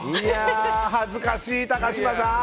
恥ずかしい、高嶋さん。